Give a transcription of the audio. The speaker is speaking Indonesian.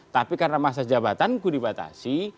tapi karena masa jabatanku dibatasi